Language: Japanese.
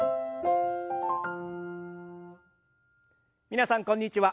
皆さんこんにちは。